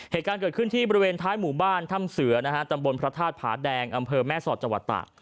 เหตุการณ์เกิดขึ้นที่บริเวณท้ายหมู่บ้านถ้ำเสือนะฮะตำบลพระธาตุผาแดงอำเภอแม่สอดจังหวัดตาก